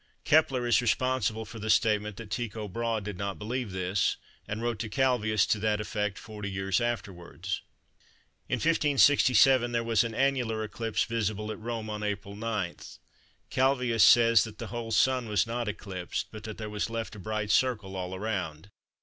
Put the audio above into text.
Kepler is responsible for the statement that Tycho Brahe did not believe this, and wrote to Clavius to that effect 40 years afterwards. In 1567 there was an annular eclipse visible at Rome on April 9. Clavius says that "the whole Sun was not eclipsed but that there was left a bright circle all round."